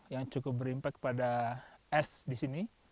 yang cukup berimpak pada es di sini